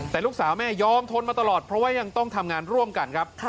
แต่ลูกสาวแม่ยอมทนมาตลอดเพราะว่ายังต้องทำงานร่วมกันครับ